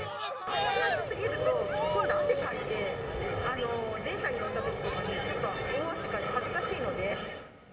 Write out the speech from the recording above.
あんまり暑すぎると、今度、汗かいて、電車に乗ったときとかに、ちょっと大汗かいて、恥ずかしいので。